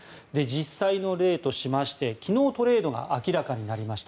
実際の例としまして昨日トレードが明らかになりました